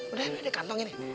udah deh kantong ini